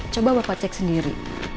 coba bapak cek sendiri